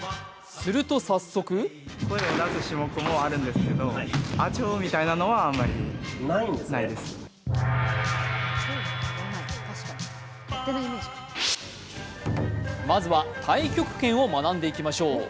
すると早速まずは太極拳を学んでいきましょう。